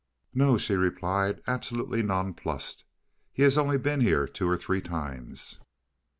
"No," she replied, absolutely nonplussed. "He has only been here two or three times."